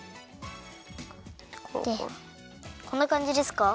こんなかんじですか？